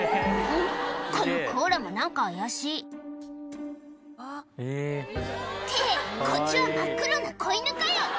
このコーラも何か怪しいってこっちは真っ黒な子犬かよ！